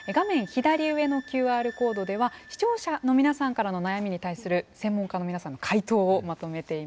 左上のＱＲコードでは視聴者の皆さんからの悩みに対する専門家の皆さんの回答をまとめています。